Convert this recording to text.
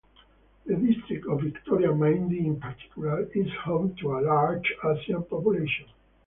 The district of Victoria, Maindee in particular, is home to a large Asian population.